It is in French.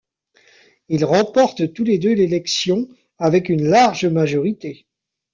Ils remportent tous les deux l'élection, avec une large majorité.